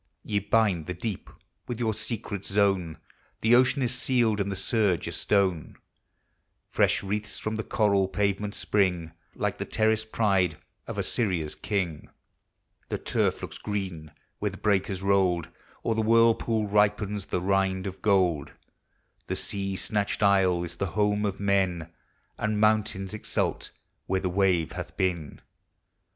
Ye hind the deep with your secret zone, — The ocean is scaled, and the surge a stone; Fresh wreaths from the coral pavement spring, Like the terraced pride of Assyria's king; The turf looks green where the breakers rolled; O'er the whirlpool ripens the rind of gold; The sea snatched isle is the home of men, And mountains exult where the wave hath been.